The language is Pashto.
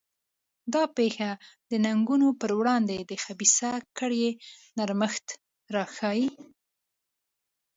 دا پېښه د ننګونو پر وړاندې د خبیثه کړۍ نرمښت راښيي.